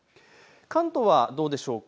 関東はどうでしょうか。